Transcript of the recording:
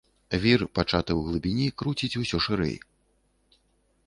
Вір, пачаты ў глыбіні, круціць усё шырэй.